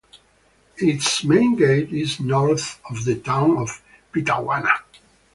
Its main gate is North of the town of Petawawa.